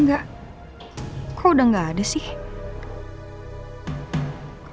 enggak kok udah gak ada sih